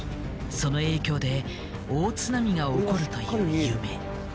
その影響で大津波が起こるという夢。